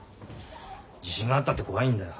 自信があったって怖いんだよ